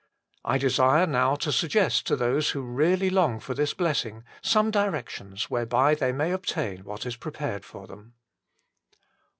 I desire now to suggest to those who really long for this blessing some directions whereby they may obtain what is prepared for them.